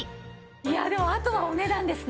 いやあでもあとはお値段ですね。